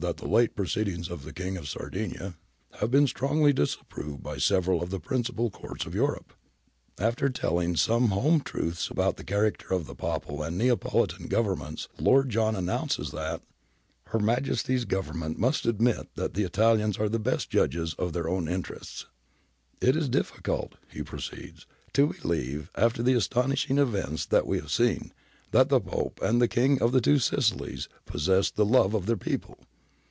he late pro ceedings of the King of Sardinia [Piedmont] have been strongly disapproved by several of the principal Courts of Europe,' After telling some home truths about the character of the Papal and Neapolitan Governments, Lord John announces that —' Her Majesty's Government must admit that the Italians are the best judges of their own interests.' ' It is difficult,' he proceeds, ' to believe, after the astonishing events that we have seen, that the Pope and the King of the Two Sicilies possessed the love of their people.'